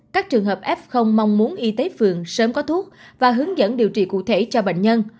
các trường hợp f mong muốn y tế phường sớm có thuốc và hướng dẫn điều trị cụ thể cho bệnh nhân